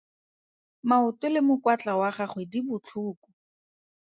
Maoto le mokwatla wa gagwe di botlhoko.